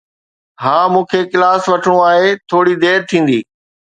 ها، مون کي ڪلاس وٺڻو آهي. ٿوري دير ٿيندي.